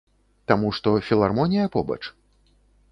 Таму што філармонія побач?